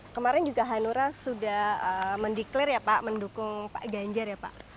kemarin juga hanura sudah mendeklir ya pak mendukung pak ganjar ya pak